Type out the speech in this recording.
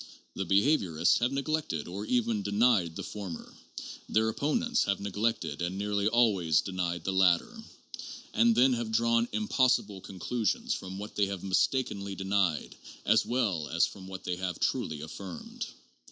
The behaviorists have neglected or even denied the former; their opponents have neglected and nearly always denied the latter, and then have drawn impossible conclusions from what they have mistakenly denied as well as from what they have truly affirmed.